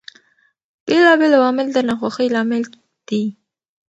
بېلابېل عوامل د ناخوښۍ لامل دي.